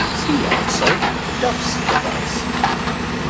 See also Duff's device.